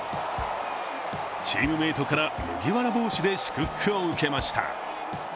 チームメイトから麦わら帽子で祝福を受けました。